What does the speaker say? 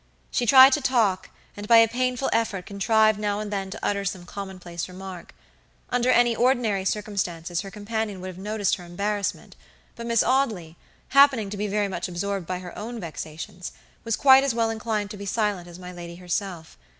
She tried to talk, and by a painful effort contrived now and then to utter some commonplace remark. Under any ordinary circumstances her companion would have noticed her embarrassment, but Miss Audley, happening to be very much absorbed by her own vexations, was quite as well inclined to be silent as my lady herself.